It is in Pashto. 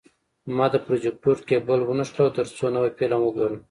ما د پروجیکتور کیبل ونښلاوه، ترڅو نوی فلم وګورم.